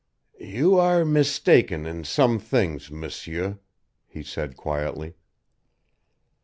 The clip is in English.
"You are mistaken in some things, M'seur," he said quietly.